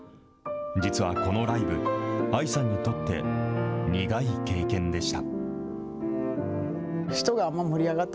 実はこのライブ、ＡＩさんにとって苦い経験でした。